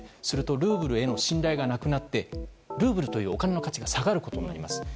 するとルーブルへの信頼がなくなってルーブルというお金の価値が下がることになります。